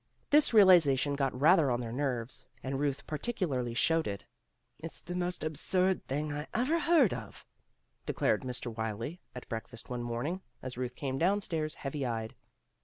This realization got rather on their nerves, and Ruth particularly, showed it. "It's the most absurd thing I ever heard of," declared Mr. Wylie at breakfast one morning, as Ruth came downstairs heavy eyed.